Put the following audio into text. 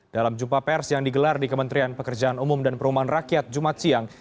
dalam jumpa pers yang digelar di kementerian pekerjaan umum dan perumahan rakyat jumat siang